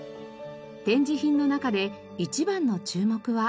展示品の中で一番の注目は。